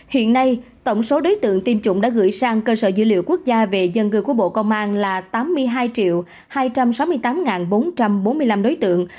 hiện nay tổng số đối tượng tiêm chủng đã gửi sang cơ sở dữ liệu quốc gia về dân cư của bộ công an là tám mươi hai hai trăm sáu mươi tám bốn trăm bốn mươi năm đối tượng